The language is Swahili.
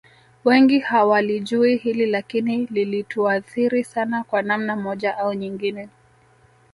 Wengi hawalijui hili lakini lilituathiri sana kwa namna moja au nyingine